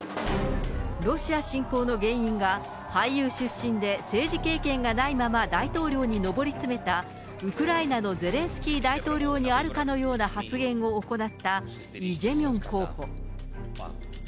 ロシア侵攻の原因が、俳優出身で政治経験がないまま大統領に上り詰めた、ウクライナのゼレンスキー大統領にあるかのような発言を行ったイ・ジェミョン候補。